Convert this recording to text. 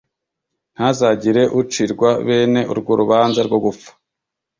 ntihazagire ucirwa bene urwo rubanza rwo gupfa